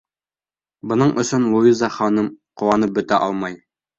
Бының өсөн Луиза ханым ҡыуанып бөтә алмай.